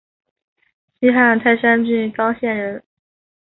西汉泰山郡刚县人。